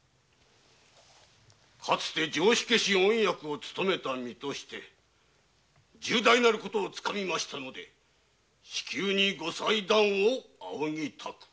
かつて定火消御役を勤めた身として重大なることをつかみましたので至急にご裁断を仰ぎたく。